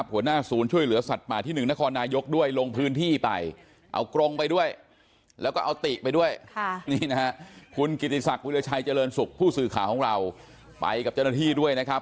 มันอาจจะเป็นหมีควายและตัวดำ